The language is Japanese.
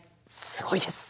すごいです。